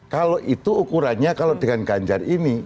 kalau itu ukurannya kalau dengan ganjar ini